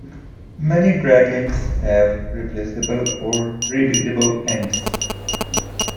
Many drag links have replaceable or rebuildable ends.